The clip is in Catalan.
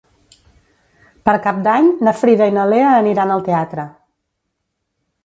Per Cap d'Any na Frida i na Lea aniran al teatre.